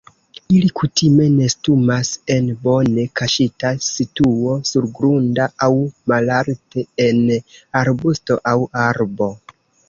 Ili kutime nestumas en bone kaŝita situo surgrunda aŭ malalte en arbusto aŭ arbo.